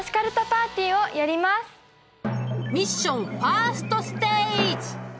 ミッションファーストステージ！